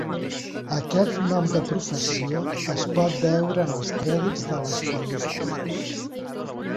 Aquest nom de professió es pot veure en els crèdits de les pel·lícules.